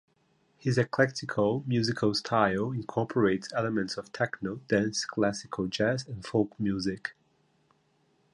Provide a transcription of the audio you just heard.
His eclectic musical style incorporates elements of techno, dance, classical, jazz, and folk music.